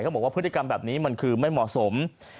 บอกว่าพฤติกรรมแบบนี้มันคือไม่เหมาะสม